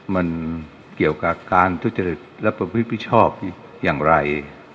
มันเกี่ยวกับการทุจริย์รับประวิทย์ผิดผิดชอบอย่างไร